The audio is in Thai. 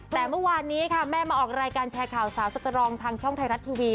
แต่เมื่อวานนี้ค่ะแม่มาออกรายการแชร์ข่าวสาวสตรองทางช่องไทยรัฐทีวี